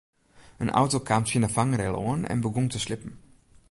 In auto kaam tsjin de fangrail oan en begûn te slippen.